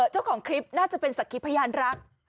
เจ้าของคลิปน่าจะเป็นสักขีพยานรัก